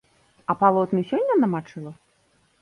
А палотны сёння намачыла?